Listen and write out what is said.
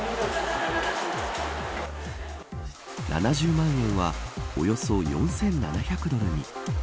７０万円はおよそ４７００ドルに。